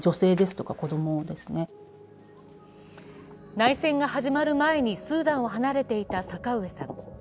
内戦が始まる前にスーダンを離れていた阪上さん。